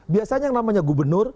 biasanya yang namanya gubernur